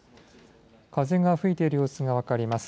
風が吹いている様子が分かります。